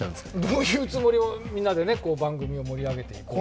どういうつもりも、みんなで番組を盛り上げていこうと。